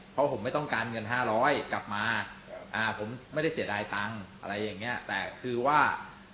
เพราะผมไม่ต้องการเงินห้าร้อยกลับมาอ่าผมไม่ได้เสียดายตังค์อะไรอย่างเงี้ยแต่คือว่า